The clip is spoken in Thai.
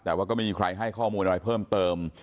แต่ว่าก็ไม่มีใครให้ข้อมูลอะไรเพิ่มเติม